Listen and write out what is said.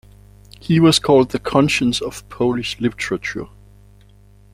He was called the "conscience of Polish literature".